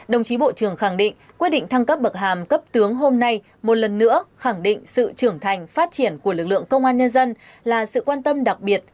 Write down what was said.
đồng chí bộ trưởng khẳng định quyết định thăng cấp bậc hàm cấp tướng hôm nay một lần nữa khẳng định sự trưởng thành phát triển của lực lượng công an nhân dân là sự quan tâm đặc biệt